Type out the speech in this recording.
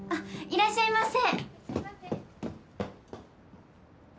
いらっしゃいませ。